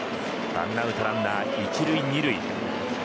ワンアウトランナー、１塁２塁。